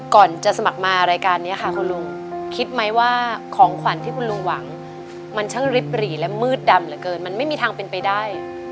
ก่อนจะสมัครมารายการนี้ค่ะคุณลุงคิดไหมว่าของขวัญที่คุณลุงหวังมันช่างริบหรี่และมืดดำเหลือเกินมันไม่มีทางเป็นไปได้